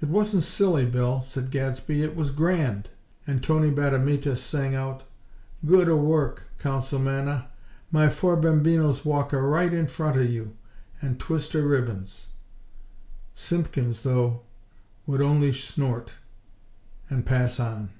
"It wasn't silly, Bill," said Gadsby. "It was grand!" And Tony Bandamita sang out: "Gooda work, Councilmanna! My four bambinos walka right in fronta you, and twista ribbons!" Simpkins, though, would only snort, and pass on.